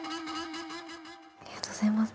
ありがとうございます。